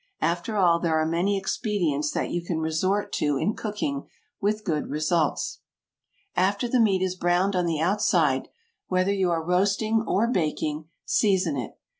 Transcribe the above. After all there are many expedients that you can resort to in cooking with good results. After the meat is browned on the outside, whether you are roasting or baking, season it.